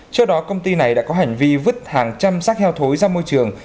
trước đó công ty này đã có hành vi vứt hàng trăm sắc heo thối ra môi trường